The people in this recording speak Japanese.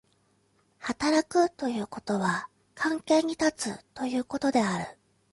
働くということは関係に立つということである。